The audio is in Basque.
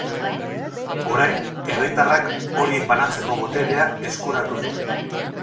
Orain, herritarrak horiek banatzeko boterea eskuratu du.